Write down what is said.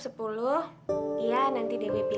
selamat pagi pak